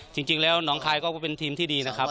จริงแล้วน้องคายก็เป็นทีมที่ดีนะครับ